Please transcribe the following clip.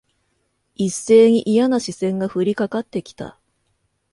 一斉にいやな視線が降りかかって来た。